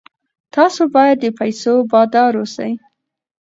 تاسو باید د پیسو بادار اوسئ.